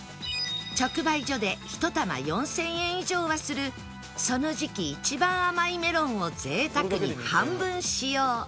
直売所で１玉４０００円以上はするその時期一番甘いメロンを贅沢に半分使用